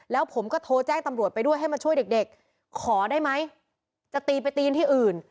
แล้วผมก็โทรแจ้งตำรวจไปด้วยให้มาช่วยเด็กขอได้ไหมจะตีไปตีกันที่อื่น